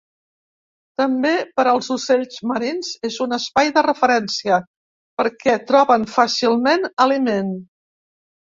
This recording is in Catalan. També per als ocells marins és un espai de referència, perquè troben fàcilment aliment.